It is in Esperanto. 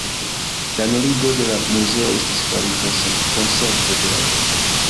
La nuligo de la muzeo estis farita sen konsento de la urbo.